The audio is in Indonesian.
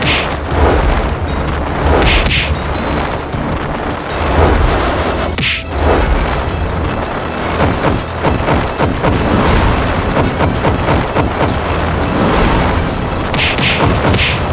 tetapi apakah kamu berikan kekuatan highwaymen ini